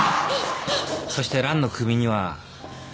そしてランの首には。